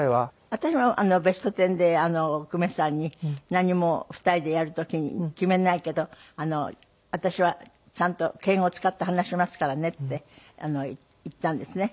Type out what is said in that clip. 私も『ベストテン』で久米さんに何も２人でやる時に決めないけど私はちゃんと敬語を使って話しますからねって言ったんですね。